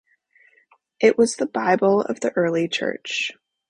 It was the Bible of the early Church.